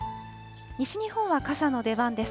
西日本は傘の出番です。